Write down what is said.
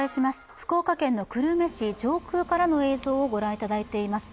福岡県久留米市、上空からの映像をご覧いただいています。